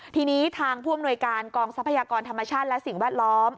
ทีนี้ทางผู้อำนวยการกองทรัพยากรธรรมชาติและสิ่งแวดล้อม